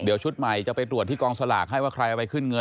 เดี๋ยวชุดใหม่จะไปตรวจที่กองสลากให้ว่าใครเอาไปขึ้นเงิน